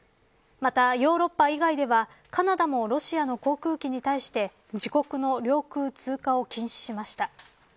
また、ヨーロッパ以外ではカナダもロシアの航空機に対して自国の領空通過を禁止しました。